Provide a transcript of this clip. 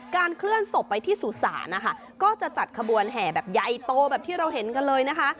เคลื่อนศพไปที่สุสานนะคะก็จะจัดขบวนแห่แบบใหญ่โตแบบที่เราเห็นกันเลยนะคะ